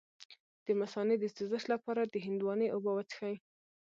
د مثانې د سوزش لپاره د هندواڼې اوبه وڅښئ